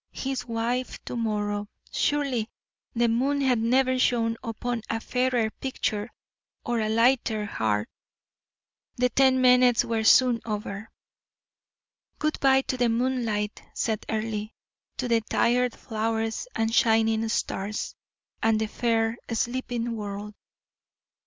His wife to morrow! Surely the moon had never shone upon a fairer picture or a lighter heart. The ten minutes were soon over. "Good bye to the moonlight," said Earle, "to the tired flowers and shining stars, and the fair, sleeping world."